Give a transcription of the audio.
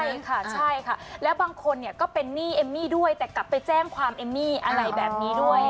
ใช่ค่ะใช่ค่ะแล้วบางคนเนี่ยก็เป็นหนี้เอมมี่ด้วยแต่กลับไปแจ้งความเอมมี่อะไรแบบนี้ด้วย